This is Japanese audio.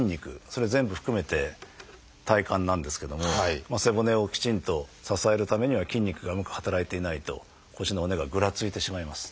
それを全部含めて体幹なんですけども背骨をきちんと支えるためには筋肉がうまく働いていないと腰の骨がぐらついてしまいます。